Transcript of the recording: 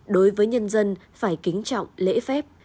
đối với nhân dân phải kính trọng lễ phép